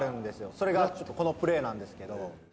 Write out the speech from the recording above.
それがこのプレーなんですけど。